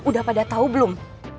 udah pada tau belum